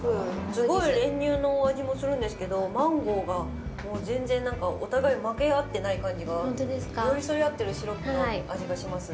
すごい練乳のお味もするんですけど、マンゴーがもう全然、なんか、お互い負け合ってない感じが、寄り添い合ってるシロップの味がします。